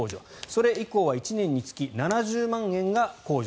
それ以降は１年につき７０万円が控除。